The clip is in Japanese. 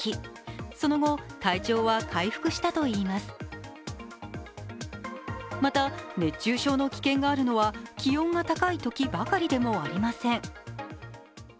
その後、体調は回復したといいますまた、熱中症の危険があるのは気温が高いときばかりではありません。